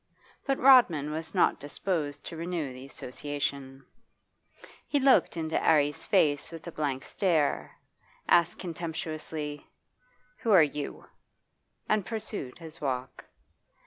But Rodman was not disposed to renew the association He looked into 'Arry's face with a blank stare, asked contemptuously, 'Who are you?' and pursued his walk.